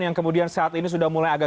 yang kemudian saat ini sudah mulai agak